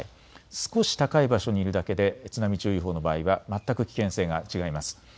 少し高い場所にいるだけで津波注意報の場合は全く危険性が違います。